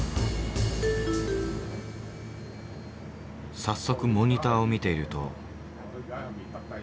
早速モニターを見ていると。